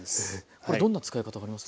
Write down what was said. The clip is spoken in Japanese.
これどんな使い方があります？